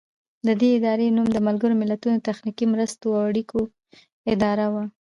د دې ادارې نوم د ملګرو ملتونو د تخنیکي مرستو او اړیکو اداره و.